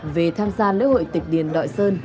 về tham gia lễ hội tịch điền đội sơn